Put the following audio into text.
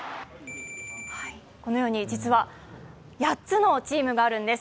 このように、実は８つのチームがあるんです。